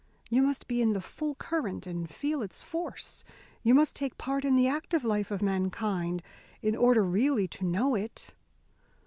You must be in the full current and feel its force. You must take part in the active life of mankind in order really to know it."